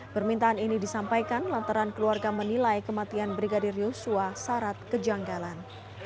permintaan ini disampaikan lantaran keluarga menilai kematian brigadir yosua syarat kejanggalan